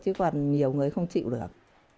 chứ còn nhiều người không chịu được